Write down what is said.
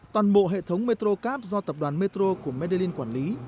toàn bộ hệ thống metrocab do tập đoàn metro của medellín quản lý